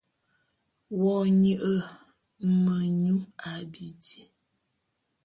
Wo nye menyu a bidi.